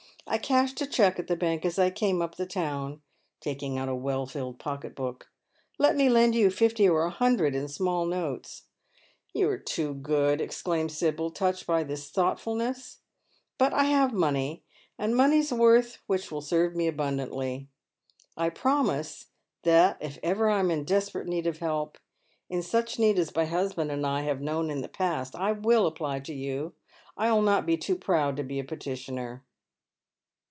I cashed a cheque at tha bank as I came up the town," taking out a well filled pocket book. " Let me lend you fifty or a hundred in small notes." " You are too good," exclaims Sibyl, touched by his thought fulness. " But I have money, and money's worth which will eei ve me abundantly. I promise that if ever I am in desperate need of help — in such need as my husband and I have known in the past — I will apply to you. I will not be too proud to be a petitioner."